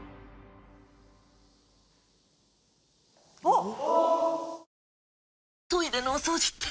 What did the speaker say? おっ！